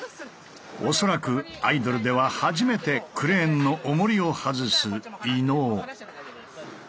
恐らくアイドルでは初めてクレーンのおもりを外す伊野尾。